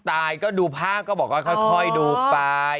ตายก็ดูภาพก็บอกว่าค่อยดูไป